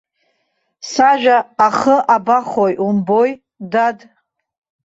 Сажәа ахы абахои умбои, дад.